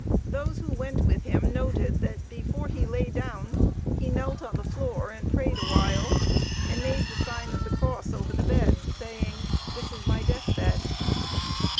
Those who went with him noted that before he lay down, he knelt on the floor and prayed a while and made the sign of the cross over the bed, saying, "This is my deathbed."